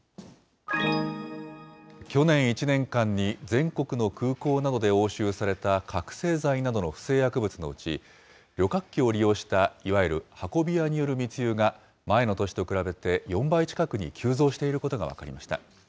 去年１年間に全国の空港などで押収された覚醒剤などの不正薬物のうち、旅客機を利用した、いわゆる運び屋による密輸が前の年と比べて４倍近くに急増していることが分かりました。